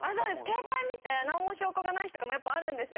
携帯見て何も証拠がない日とかあるんですよ。